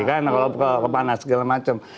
kan kalau kemana segala macem